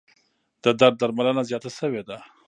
د درد درملنه زیاته شوې ده.